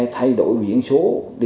thay đổi viễn số